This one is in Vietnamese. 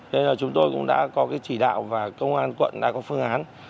nên là chúng tôi cũng đã có cái chỉ đạo và công an quận đã có phương án